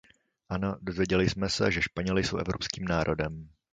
Ano, dozvěděli jsme se, že Španělé jsou evropským národem.